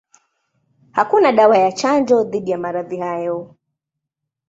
Hakuna dawa ya chanjo dhidi ya maradhi hayo.